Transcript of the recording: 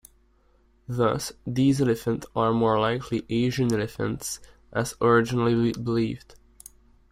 Thus these elephants are more likely Asian elephants, as originally believed.